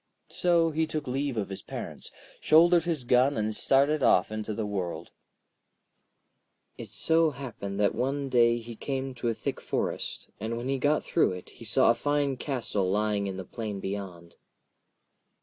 So he took leave of his parents, shouldered his gun, and started off into the world. [Illustration: But the Old Woman was a witch.] It so happened that one day he came to a thick forest, and when he got through it, he saw a fine castle lying in the plain beyond.